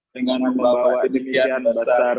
dengan membawa demikian besar